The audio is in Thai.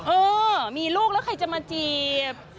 เออมีลูกแล้วใครจะมาจีบ